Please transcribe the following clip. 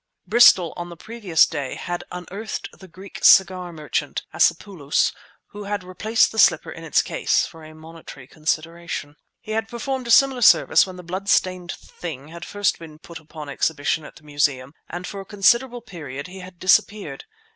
Bristol, on the previous day, had unearthed the Greek cigar merchant, Acepulos, who had replaced the slipper in its case (for a monetary consideration). He had performed a similar service when the bloodstained thing had first been put upon exhibition at the Museum, and for a considerable period had disappeared.